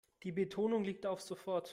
Die Betonung liegt auf sofort.